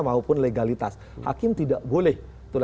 maupun legalitas hakim tidak boleh